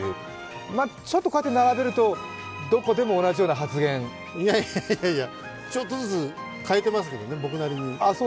まあ、ちょっとこうやって並べるとどこでも同じような発言いやいやいや、ちょっとずつ変えてますけどね、僕なりに。